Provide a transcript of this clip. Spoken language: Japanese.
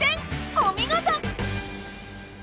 お見事！